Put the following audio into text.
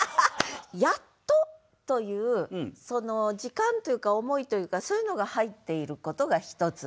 「やつと」という時間というか思いというかそういうのが入っていることが１つ。